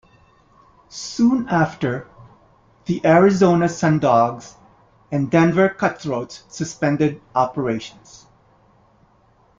Soon after, the Arizona Sundogs and Denver Cutthroats suspended operations.